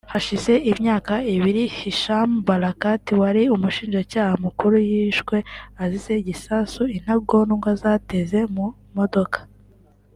Hashize imyaka ibiri Hisham Barakat wari umushinjacyaha mukuru yishwe azize igisasu intagondwa zateze mu modoka